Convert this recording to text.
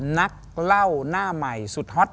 นักเล่าหน้าใหม่สุดฮอต